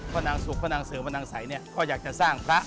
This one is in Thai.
นางสุขพระนางเสริมพระนางสัยเนี่ยก็อยากจะสร้างพระ